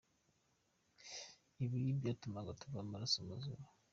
Ibi byatumaga tuva amaraso mu mazuru.”